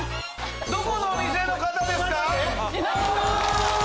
どこのお店の方ですか？